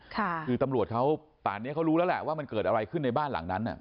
คือตำรวจเขาป่านนี้เขารู้แล้วแหละว่ามันเกิดอะไรขึ้นในบ้านหลังนั้น